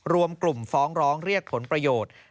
รวมกลุ่มฟ้องร้องเรียกผลประโยชน์